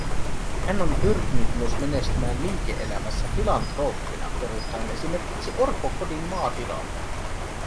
Hän on pyrkinyt myös menestymään liike-elämässä filantrooppina perustaen esimerkiksi orpokodin maatilalle